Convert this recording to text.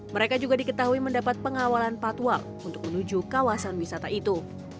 mereka juga diketahui mendapat pengawalan patwal untuk menuju kawasan wisata itu